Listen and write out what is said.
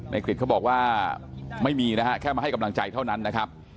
กริจเขาบอกว่าไม่มีนะฮะแค่มาให้กำลังใจเท่านั้นนะครับ